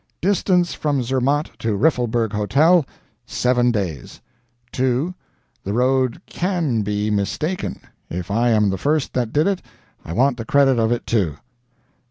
Distance from Zermatt to Riffelberg Hotel, 7 days. 2. The road CAN be mistaken. If I am the first that did it, I want the credit of it, too.